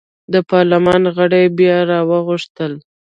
د پارلمان غړي یې بیا راوغوښتل.